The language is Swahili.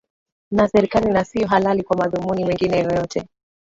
na serikali na sio halali kwa madhumuni mengine yoyote